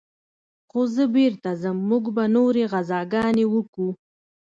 خو زه بېرته ځم موږ به نورې غزاګانې وكو.